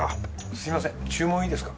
すみません注文いいですか？